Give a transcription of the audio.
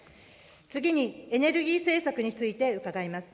次に、エネルギー政策について伺います。